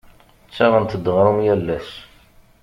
Ttaɣent-d aɣrum yal ass.